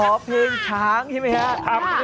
ขอเพลงช้างใช่ไหมฮะ